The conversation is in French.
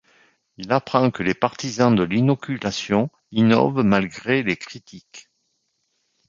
Il apprend que les partisans de l'inoculation innovent malgré les critiques.